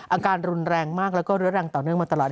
อาการรุนแรงมากแล้วก็เรื้อรังต่อเนื่องมาตลอด